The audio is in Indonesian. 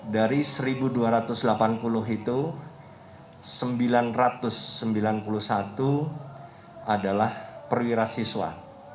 dari satu dua ratus delapan puluh itu sembilan ratus sembilan puluh satu adalah perwira siswa